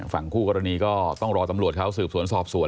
ฝั่งคู่กรณีก็ต้องรอตำรวจเขาสืบสวนสอบสวน